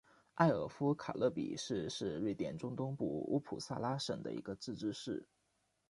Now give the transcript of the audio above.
艾尔夫卡勒比市是瑞典中东部乌普萨拉省的一个自治市。